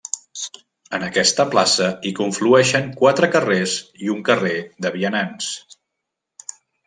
En aquesta plaça hi conflueixen quatre carrers i un carrer de vianants.